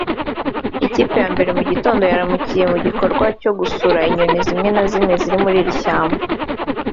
Ikipe ya mbere mu gitondo yaramukiye mu gikorwa cyo gusura inyoni zimwe na zimwe ziri muri iri shyamba